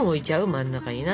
真ん中にな。